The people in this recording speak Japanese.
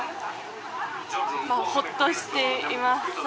ホッとしています。